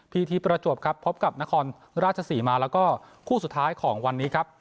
ทีประจวบครับพบกับนครราชศรีมาแล้วก็คู่สุดท้ายของวันนี้ครับ